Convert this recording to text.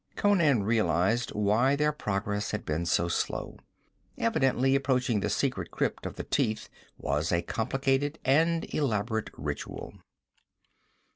Conan realized why their progress had been so slow. Evidently approaching the secret crypt of the Teeth was a complicated and elaborate ritual.